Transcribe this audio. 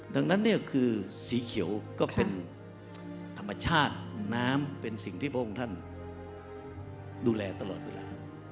ดังนั้นเนี่ยคือสีเขียวก็เป็นธรรมชาติน้ำเป็นสิ่งที่พระองค์ท่านดูแลตลอดเวลา